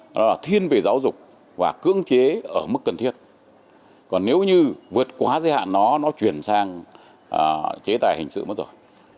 đó là thiên về giáo dục và cưỡng chế ở mức cần thiết còn nếu như vượt quá giới hạn nó nó chuyển sang chế tài hình sự mất rồi